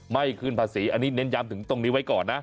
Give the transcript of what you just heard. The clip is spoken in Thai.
ไม่ขึ้นภาษีอันนี้เน้นย้ำถึงตรงนี้ไว้ก่อนนะ